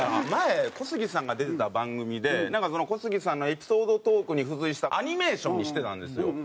前小杉さんが出てた番組でなんかその小杉さんがエピソードトークに付随したアニメーションにしてたんですよ。